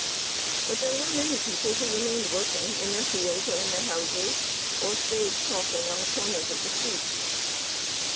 But there were many people who remained working in their fields or in their houses, or stayed talking on the corners of the streets.